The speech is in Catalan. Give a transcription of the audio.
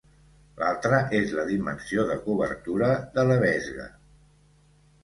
L'altra és la dimensió de cobertura de Lebesgue.